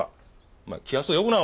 お前気安う呼ぶな。